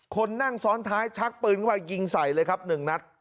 คนนั่งซ้อนท้ายชักปืนขึ้นมายิงใส่เลยครับ๑นัด